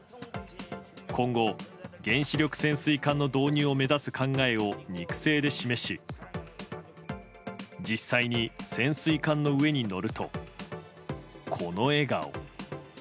今後、原子力潜水艦の導入を目指す考えを肉声で示し実際に潜水艦の上に乗るとこの笑顔。